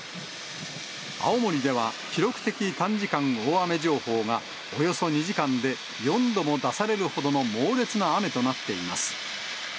青森では記録的短時間大雨情報がおよそ２時間で４度も出されるほどの猛烈な雨となっています。